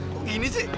kok gini sih